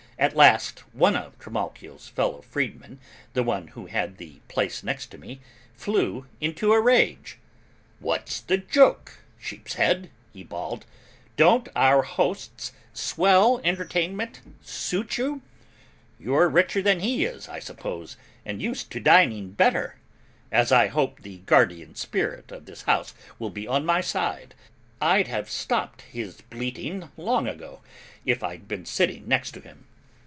At last, one of Trimalchio's fellow freedmen, the one who had the place next to me, flew into a rage, "What's the joke, sheep's head," he bawled, "Don't our host's swell entertainment suit you? You're richer than he is, I suppose, and used to dining better! As I hope the guardian spirit of this house will be on my side, I'd have stopped his bleating long ago if I'd been sitting next to him.